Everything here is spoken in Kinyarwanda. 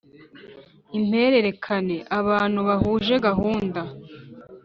impererekane (abantu bahuje gahunda)